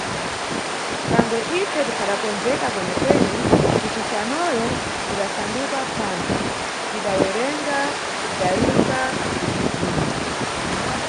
Thangwe ife tikhadakondzeka kwenekwene, mpikisanoyo udasanduka phwando: tidawerenga, tidayimba ticibzina.